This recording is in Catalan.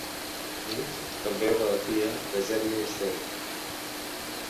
Mead també era la tia de Jeremy Steig.